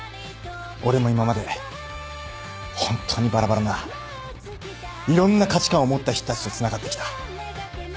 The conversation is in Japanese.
俺も今まで本当にバラバラないろんな価値観を持った人たちとつながってきた。